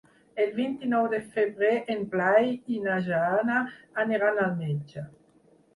El vint-i-nou de febrer en Blai i na Jana aniran al metge.